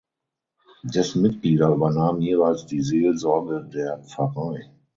Dessen Mitglieder übernahmen jeweils die Seelsorge der Pfarrei.